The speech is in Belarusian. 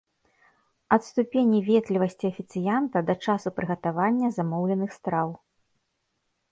Ад ступені ветлівасці афіцыянта да часу прыгатавання замоўленых страў.